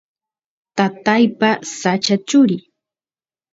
tataypa sacha churi